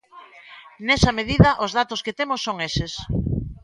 Nesa medida os datos que temos son eses.